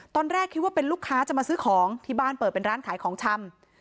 ตอนแรกคิดว่าเป็นลูกค้าจะมาซื้อของที่บ้านเปิดเป็นร้านขายของชำ